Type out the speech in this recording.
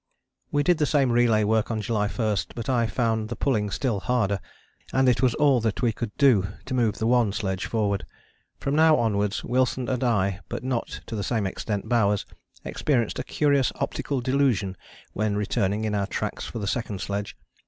We did the same relay work on July 1, but found the pulling still harder; and it was all that we could do to move the one sledge forward. From now onwards Wilson and I, but not to the same extent Bowers, experienced a curious optical delusion when returning in our tracks for the second sledge.